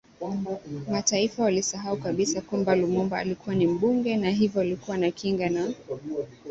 Mataifa walisahau kabisa kwamba Lumumba alikuwa ni Mbunge na hivyo alikuwa na Kinga na